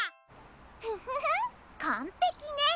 フフフンかんぺきね。